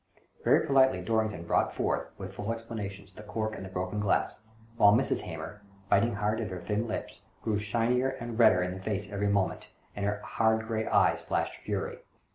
Very politely Dorrington brought forth, with full explanations, the cork and the broken glass ; while Mrs, Hamer, biting hard at her thin lips, grew shinier and redder in the face every moment, and her hard gray eyes flashed fury.